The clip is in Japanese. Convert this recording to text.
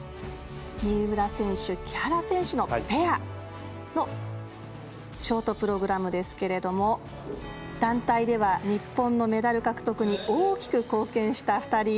三浦選手、木原選手のペアのショートプログラムですけれども団体では日本のメダル獲得に大きく貢献した２人。